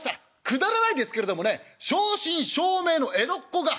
くだらないですけれどもね正真正銘の江戸っ子が。